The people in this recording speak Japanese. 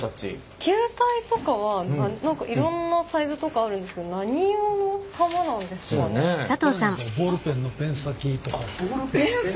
球体とかは何かいろんなサイズとかあるんですけどこれなんかはペン先！？